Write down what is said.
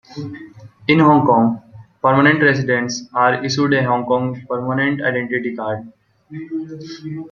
In Hong Kong, permanent residents are issued a Hong Kong Permanent Identity Card.